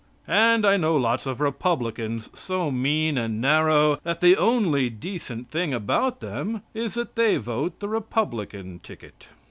And I know lots of Republicans so mean and narrow that the only decent thing about them is that they vote the Republican ticket.